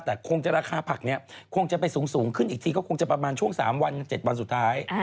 แต่คงจะราคาผักนี้คงจะไปสูงขึ้นอีกทีก็คงจะประมาณช่วง๓วัน๗วันสุดท้าย